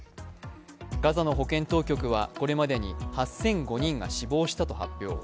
ガザの保健当局はこれまでに８００５人が死亡したと発表。